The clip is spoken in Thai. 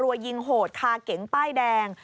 ยิงโหดคาเก๋งป้ายแดง